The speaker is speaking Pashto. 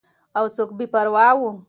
او څوک بې پروا وو.